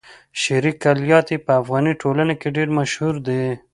شعري کلیات يې په افغاني ټولنه کې ډېر مشهور دي.